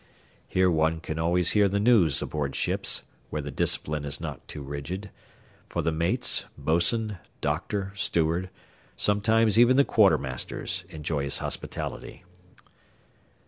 Here one can always hear the news aboard ships where the discipline is not too rigid; for the mates, bos'n, "doctor," steward, and sometimes even the quartermasters, enjoy his hospitality.